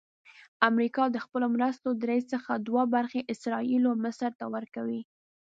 امریکا د خپلو مرستو درې څخه دوه برخې اسراییلو او مصر ته ورکوي.